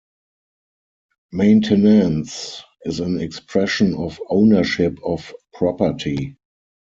Maintenance is an expression of ownership of property.